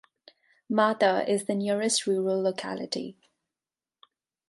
Mata is the nearest rural locality.